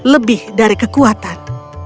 lebih dari kekuatan